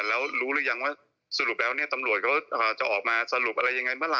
แล้วรู้หรือยังว่าสรุปแล้วเนี่ยตำรวจเขาจะออกมาสรุปอะไรยังไงเมื่อไ